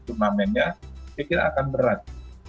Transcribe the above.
turnamennya saya kira akan berat